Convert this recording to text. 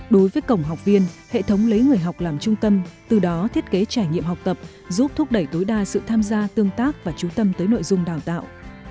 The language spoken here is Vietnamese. đối với cổng học viên hệ thống lấy người học làm trung tâm từ đó thiết kế trải nghiệm học tập giúp thúc đẩy tối đa sự tham gia tương tác và trú tâm tới nội dung đào tạo